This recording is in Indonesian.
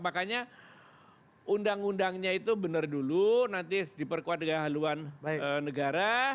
makanya undang undangnya itu benar dulu nanti diperkuat dengan haluan negara